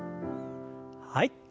はい。